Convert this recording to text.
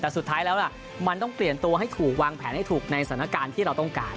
แต่สุดท้ายแล้วมันต้องเปลี่ยนตัวให้ถูกวางแผนให้ถูกในสถานการณ์ที่เราต้องการ